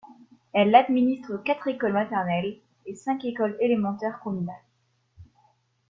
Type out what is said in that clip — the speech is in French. Elle administre quatre écoles maternelles et cinq écoles élémentaires communales.